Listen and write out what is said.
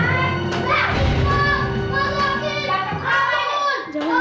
masa ini aku mau ke rumah